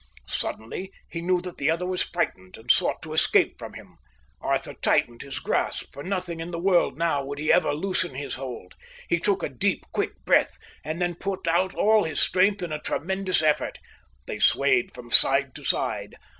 Suddenly, he knew that the other was frightened and sought to escape from him. Arthur tightened his grasp; for nothing in the world now would he ever loosen his hold. He took a deep, quick breath, and then put out all his strength in a tremendous effort. They swayed from side to side.